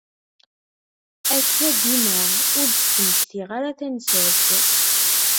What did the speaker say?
Akka dima, ur d-ttmektiɣ ara tansa-s.